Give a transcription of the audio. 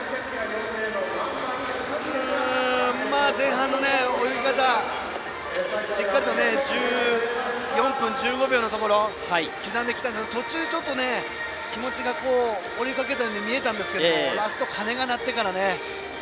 前半の泳ぎ方しっかりと４分１５秒のところを刻んできたんですが、途中ちょっと気持ちが折れかけたように見えたんですがラスト鐘が鳴ってからね。